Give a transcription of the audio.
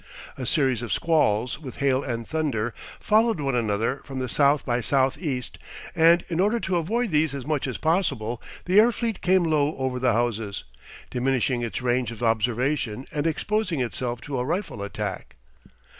A series of squalls, with hail and thunder, followed one another from the south by south east, and in order to avoid these as much as possible, the air fleet came low over the houses, diminishing its range of observation and exposing itself to a rifle attack.